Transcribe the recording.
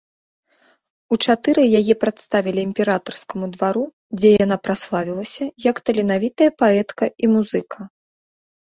У чатыры яе прадставілі імператарскаму двару, дзе яна праславілася як таленавітая паэтка і музыка.